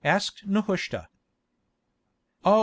asked Nehushta. "Oh!